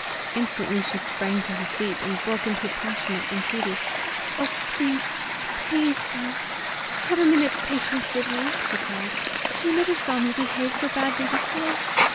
Instantly she sprang to her feet, and broke into passionate entreaty. "Oh, please, please, sir, have a minute's patience with me," she cried; "you never saw me behave so badly before!"